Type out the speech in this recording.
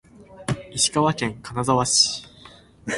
石川県金沢市